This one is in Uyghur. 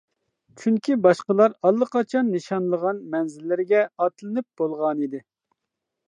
چۈنكى باشقىلار ئاللىقاچان نىشانلىغان مەنزىللىرىگە ئاتلىنىپ بولغانىدى.